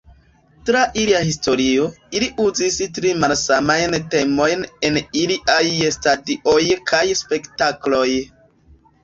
Tra ilia historio, ili uzis tri malsamajn temojn en iliaj stadioj kaj spektakloj.